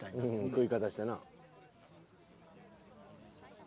食い方したな。